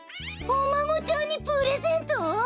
おまごちゃんにプレゼント？